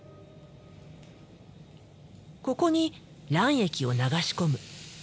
ここに卵液を流し込む。